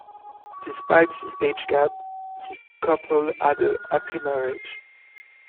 Despite the age gap, the couple had a happy marriage.